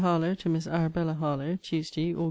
HARLOWE, TO MISS ARAB. HARLOWE TUESDAY, AUG.